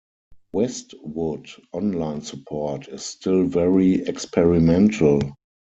Westwood Online support is still very experimental.